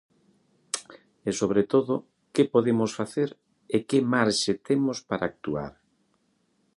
E, sobre todo, ¿que podemos facer e que marxe temos para actuar?